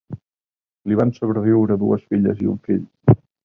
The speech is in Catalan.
Li van sobreviure dues filles i un fill.